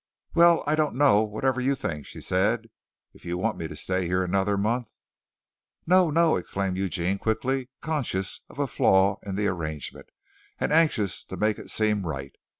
"Well, I don't know whatever you think," she said. "If you want me to stay here another month " "No, no!" exclaimed Eugene quickly, conscious of a flaw in the arrangement, and anxious to make it seem right.